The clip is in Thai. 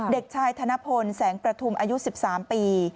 เด็กชายธนพลแสงประทุมอายุ๑๓ปี